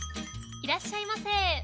いらっしゃいませ。